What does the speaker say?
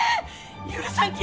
許さんき！